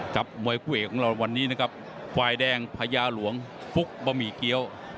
มวยคู่เอกของเราวันนี้นะครับฝ่ายแดงพญาหลวงฟุกบะหมี่เกี้ยว